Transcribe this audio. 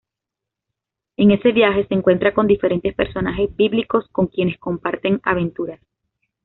En ese viaje, se encuentran con diferentes personajes bíblicos con quienes comparten aventuras.